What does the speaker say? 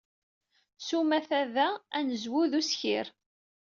S umata, da, anezwu d uskir.